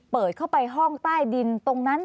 เปิดเข้าไปห้องใต้ดินตรงนั้น